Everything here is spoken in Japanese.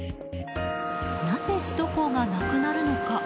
なぜ首都高がなくなるのか。